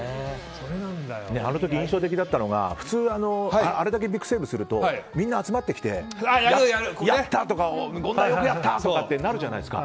あの時印象的だったのが普通あれだけビッグセーブするとみんな集まってきてやった！とかってなるじゃないですか。